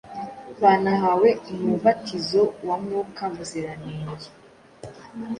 banahawe umubatizo wa Mwuka Muziranenge